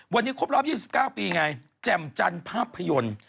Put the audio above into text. วันนี้ครบรอบ๒๙ปีไงแจ่มจันทร์ภาพยนตร์